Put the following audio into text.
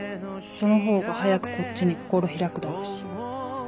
そのほうが早くこっちに心開くだろうし。